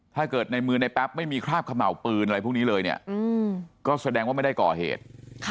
ถ้าเกิดในมือในแป๊บไม่มีคราบเขม่าวปืนอะไรพวกนี้เลยเนี่ยก็แสดงว่าไม่ได้ก่อเหตุ